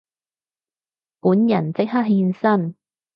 本人即刻現身